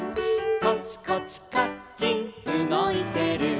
「コチコチカッチンうごいてる」